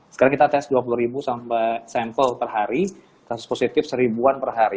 sekarang kita tes dua puluh ribu sampai sampel per hari kasus positif seribuan per hari